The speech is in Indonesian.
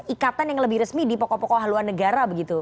ikatan yang lebih resmi di pokok pokok haluan negara begitu